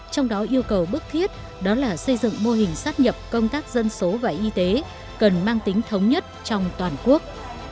trong đó yêu cầu bức thiết đó là xây dựng mô hình sát nhập công tác dân số và y tế cần mang tính thống nhất trong toàn quốc